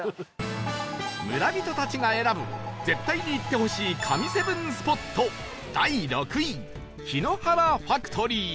村人たちが選ぶ絶対に行ってほしい神７スポット第６位ひのはらファクトリー